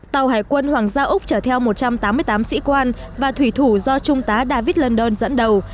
tàu hải quân hoàng gia úc chở theo một trăm tám mươi tám sĩ quan và thủy thủ do trung tá david london dẫn đầu